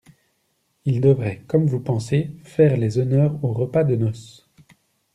Il devait, comme vous pensez, faire les honneurs au repas de noces.